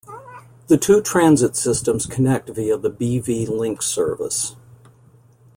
The two transit systems connect via the B-V Link service.